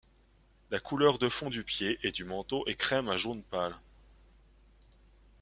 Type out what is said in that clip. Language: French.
La couleur de fond du pied et du manteau est crème à jaune pâle.